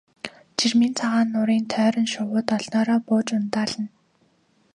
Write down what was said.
Жирмийн цагаан нуурын тойрон шувууд олноороо бууж ундаална.